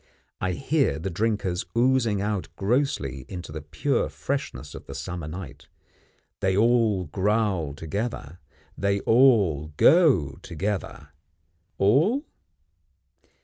I hear the drinkers oozing out grossly into the pure freshness of the summer night. They all growl together; they all go together. All?